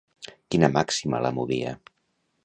Quina màxima la movia?